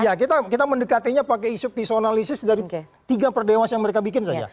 ya kita mendekatinya pakai isu personalisis dari tiga per dewas yang mereka bikin saja